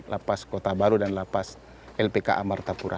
lapas kota baru dan lapas lpk amartapura